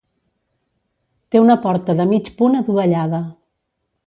Té una porta de mig punt adovellada.